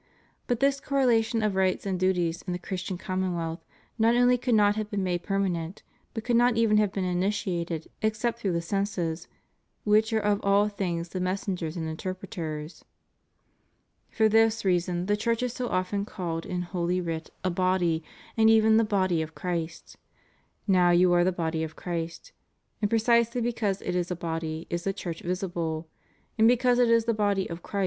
But this correlation of rights and duties in the Christian commonwealth not only could not have been made permanent, but could not even have been initiated except through the senses, which are of all things the messengers and interpreters. For this reason the Church is so often called in holy writ a body, and even the body of Christ — Now you are the body of Christ '— and precisely because it is a body is the Church visible : and because it is the body of Christ » Rom. X. 17.